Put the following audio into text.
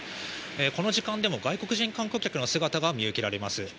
この時間でも外国人観光客の姿が見受けられます。